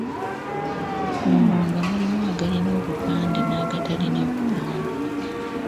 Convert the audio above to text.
Muno nga mulimu agalina obupande n’agatalina bupande.